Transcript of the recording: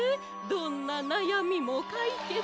どんななやみもかいけつよ。